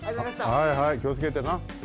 はいはいきをつけてな。